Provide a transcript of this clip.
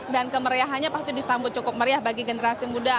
dan kemeriahannya pasti disambut cukup meriah bagi generasi muda